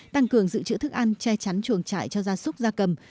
tăng cường dự trữ thức ăn che chắn chuồng trại cho gia súc gia cầm